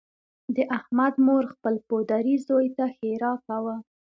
د احمد مور خپل پوډري زوی ښیرأ کاوه.